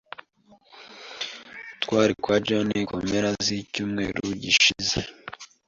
Twari kwa John mu mpera zicyumweru gishize.